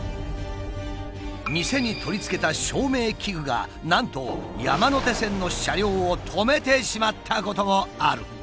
店に取り付けた照明器具がなんと山手線の車両を止めてしまったこともある。